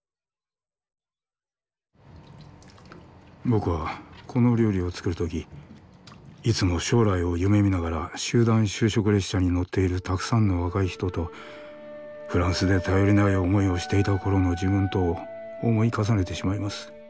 僕はこの料理を作るときいつも将来を夢見ながら集団就職列車に乗っているたくさんの若い人とフランスで頼りない思いをしていた頃の自分とを思い重ねてしまいます。